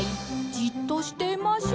「じっとしていましょう」